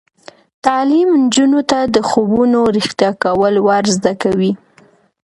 تعلیم نجونو ته د خوبونو رښتیا کول ور زده کوي.